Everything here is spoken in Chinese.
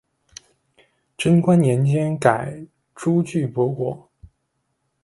贞观年间改朱俱波国。